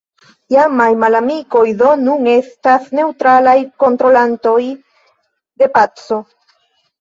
Iamaj malamikoj do nun estas neŭtralaj kontrolantoj de paco.